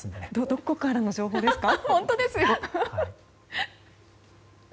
どこからの情報ですか。